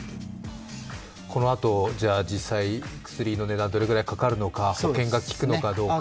このあと実際、薬の値段どれくらいかかるのか、保険が効くのかどうか。